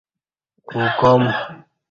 اوکام